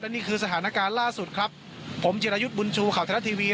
นี่คือสถานการณ์ล่าสุดครับผมจิรายุทธ์บุญชูข่าวไทยรัฐทีวี